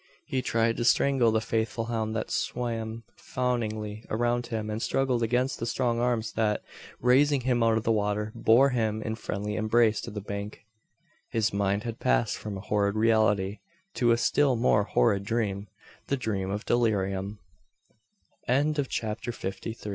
He tried to strangle the faithful hound that swam fawningly around him and struggled against the strong arms that, raising him out of the water, bore him in friendly embrace to the bank! His mind had passed from a horrid reality, to a still more horrid dream the dream of delirium. CHAPTER FIFTY FOUR. A PRAIRIE PALANQUIN.